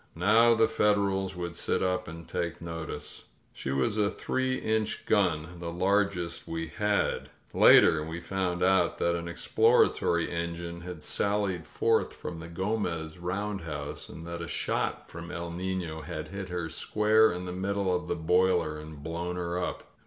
Now the Federals would sit up and take notice. She was a three inch gun — ^the largest we had. .•. Later we found out that an exploratory engine had sallied forth from the Gomez roundhouse, and that a shot from ^^1 Nifio" had hit her square in the middle of the boiler and blown her up.